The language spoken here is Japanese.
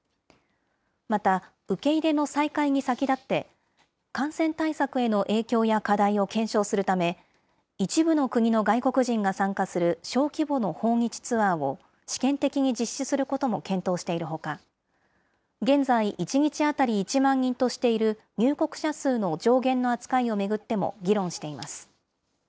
また受け入れの再開に先立って、感染対策への影響や課題を検証するため、一部の国の外国人が参加する小規模の訪日ツアーを試験的に実施することも検討しているほか、現在１日当たり１万人としている入国者数の上限の扱いを巡っても議論しています。